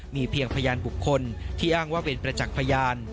มีเพียงพยานบุคคลที่อ้างว่าเป็นประจักษ์พยาน